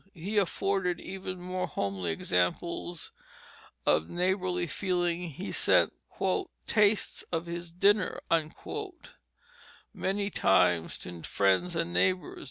He afforded even more homely examples of neighborly feeling; he sent "tastes of his dinner" many times to friends and neighbors.